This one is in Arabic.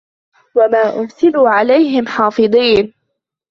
وَمَا أُرْسِلُوا عَلَيْهِمْ حَافِظِينَ